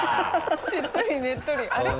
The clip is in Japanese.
「しっとりねっとり」あれ？